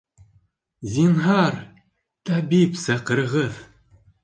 Зинһар, табип саҡырығыҙ!